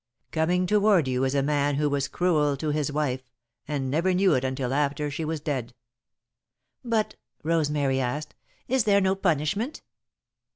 Coming toward you is a man who was cruel to his wife, and never knew it until after she was dead." "But," Rosemary asked, "is there no punishment?"